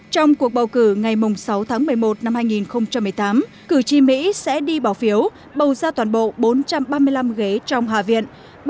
trong cuộc bầu cử ngày sáu tháng một mươi một năm hai nghìn một mươi tám cử tri mỹ sẽ đi bỏ phiếu bầu ra toàn bộ bốn trăm ba mươi năm ghế trong hạ viện